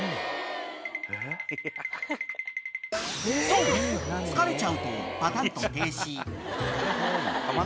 ［そう疲れちゃうとパタンと停止］